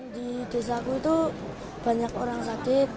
di desaku itu banyak orang sakit